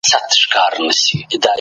د منډیګک لرغونې سیمه څومره پخوانۍ ده؟